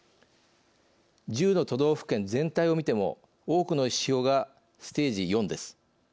１０の都道府県全体を見ても多くの指標がステージ４です。